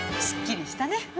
すっきりしたね。